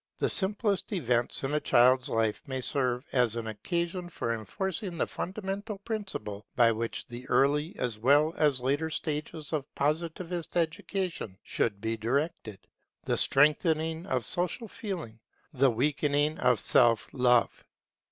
The simplest events in a child's life may serve as an occasion for enforcing the fundamental principle by which the early as well as later stages of Positivist education should be directed; the strengthening of Social Feeling, the weakening of Self love.